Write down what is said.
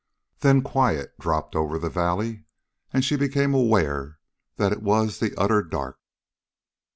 Then quiet dropped over the valley, and she became aware that it was the utter dark.